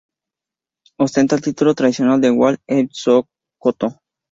Ostenta el título tradicional de Wali de Sokoto.